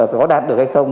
có đạt được hay không